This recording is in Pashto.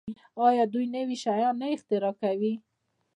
آیا دوی نوي شیان نه اختراع کوي؟